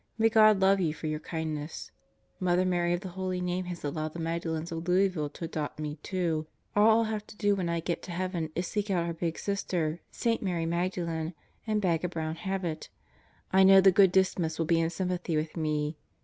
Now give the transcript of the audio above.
May God love you for your kindness. Mother Mary of the Holy Name has allowed the Magdalens of Louisville to adopt me, too. All Til have to do when I get to heaven is seek out Our Big Sister, St. Mary Magdalen, and beg a brown habit. I know the good Dismas will be in sympathy with me.